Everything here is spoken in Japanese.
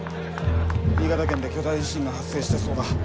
新潟県で巨大地震が発生したそうだ。